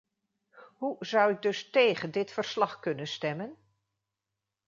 Hoe zou ik dus tegen dit verslag kunnen stemmen?